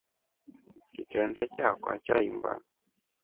Kitrende chakwa chaimba.